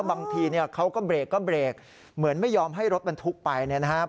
บางทีเนี่ยเขาก็เบรกก็เบรกเหมือนไม่ยอมให้รถบรรทุกไปเนี่ยนะครับ